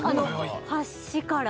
橋から？